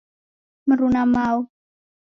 Mruna mao